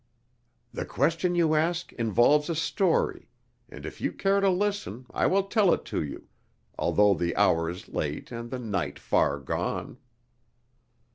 "The question you ask involves a story, and if you care to listen I will tell it to you, although the hour is late and the night far gone."